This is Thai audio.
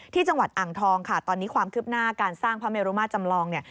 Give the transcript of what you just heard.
ที่จังหวัดอ่างทองค่ะตอนนี้ความคืบหน้าการสร้างพระเมรุมาจำลองเนี่ย